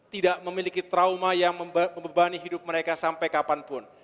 tidak memiliki trauma yang membebani hidup mereka sampai kapanpun